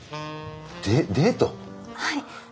はい。